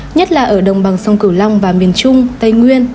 nhất là ở đồng bằng sông cửu long và miền trung tây nguyên